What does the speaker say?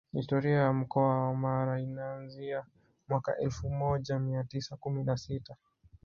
Historia ya Mkoa wa Mara inaanzia mwaka elfu moja mia tisa kumi na sita